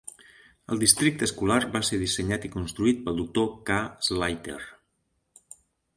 El districte escolar va ser dissenyat i construït pel doctor K. Slater.